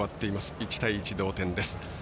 １対１、同点です。